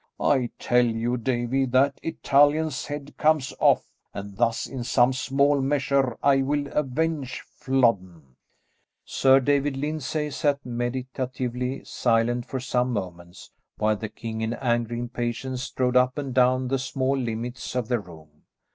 I tell you, Davie, that Italian's head comes off, and thus in some small measure will I avenge Flodden." Sir David Lyndsay sat meditatively silent for some moments while the king in angry impatience strode up and down the small limits of the room.